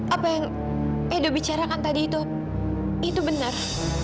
apa yang edo bicarakan tadi itu itu benar